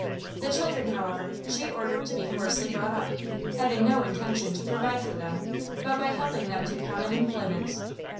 The children, however, she ordered to be coarsely brought up, having no intention to provide for them but by helping them to common employments.